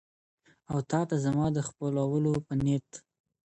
او تاته زما د خپلولو په نيت.